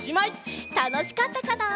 たのしかったかな？